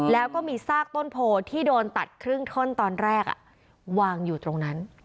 แล้วก็มีซากต้นโพที่โดนตัดครึ่งท่อนตอนแรกวางอยู่ตรงนั้น